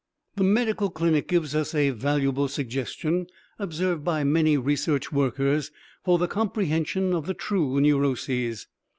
The medical clinic gives us a valuable suggestion (observed by many research workers) for the comprehension of the true neuroses.